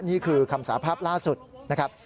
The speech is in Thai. นี่คือคำสาภาพล่าสุดนะครับ